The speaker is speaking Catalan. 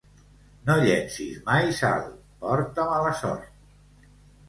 No llencis mai sal, porta mala sort.